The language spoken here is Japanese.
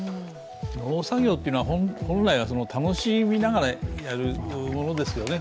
農作業は本来は、楽しみながらやるものですよね。